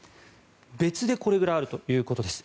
別でこれくらいあるということです。